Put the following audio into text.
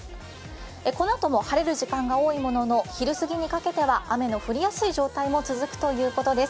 このあとも晴れる時間が多いものの昼過ぎにかけては雨の降りやすい状態も続くということです。